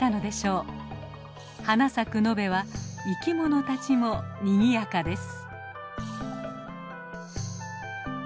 花咲く野辺は生き物たちもにぎやかです。